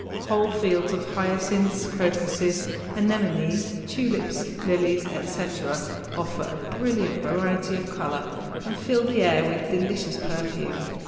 Whole fields of hyacinths, crocuses, anemones, tulips, lilies, etc., offer a brilliant variety of color and fill the air with delicious perfume.